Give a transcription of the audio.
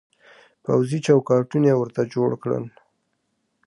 پوځي چوکاټونه يې ورته جوړ کړل.